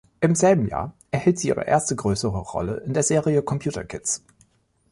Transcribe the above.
Im selben Jahr erhielt sie ihre erste größere Rolle in der Serie "Computer Kids".